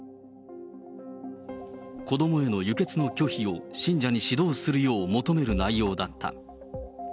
子どもへの輸血の拒否を信者に指導するよう求める内容だった。